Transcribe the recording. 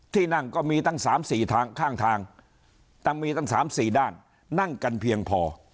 ที่นั่งก็มีตั้ง๓๔ทางข้างทางแต่มีตั้ง๓๔ด้านนั่งกันเพียงพอ